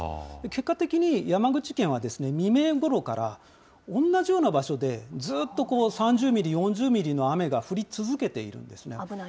結果的に山口県は未明ごろから同じような場所でずっと３０ミリ、４０ミリの雨が降り続けているんですね。